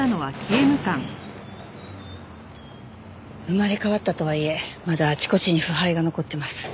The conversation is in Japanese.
生まれ変わったとはいえまだあちこちに腐敗が残ってます。